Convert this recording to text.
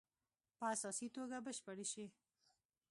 په اساسي توګه بشپړې شي.